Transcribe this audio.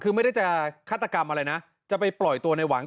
คือไม่ได้จะฆาตกรรมอะไรนะจะไปปล่อยตัวในหวัง